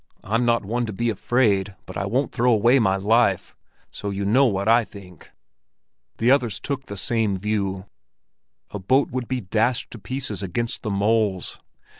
I'm not one to be afraid, but I won't throw away my life. So you know what I think." The others took the same view. A boat would be dashed to pieces against the moles.